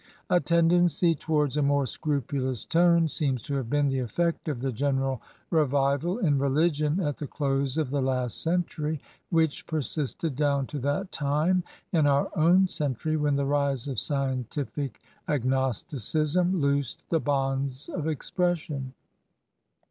A tendency towards a more scrupulous tone seems to have been the eflfect of the general revival in religion at the close of the last century, which persisted down to that time in our own century when the rise of scientific agnosticism loosed the bonds of expression.